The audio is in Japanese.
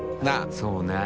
そうね。